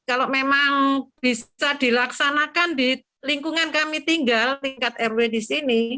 kalau memang bisa dilaksanakan di lingkungan kami tinggal tingkat rw di sini